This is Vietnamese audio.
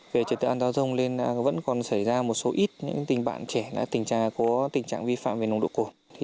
về trật tựa an giáo dông nên vẫn còn xảy ra một số ít những tình bạn trẻ đã tình trạng vi phạm về nồng độ cồn